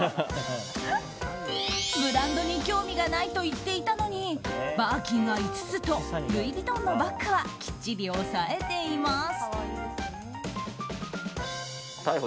ブランドに興味がないと言っていたのにバーキンが５つとルイ・ヴィトンのバッグはきっちり押さえています。